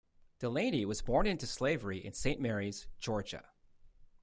Delany was born into slavery in Saint Mary's, Georgia.